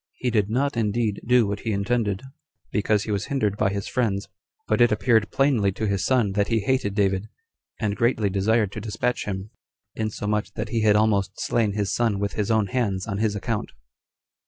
He did not indeed do what he intended, because he was hindered by his friends; but it appeared plainly to his son that he hated David, and greatly desired to despatch him, insomuch that he had almost slain his son with his own hands on his account.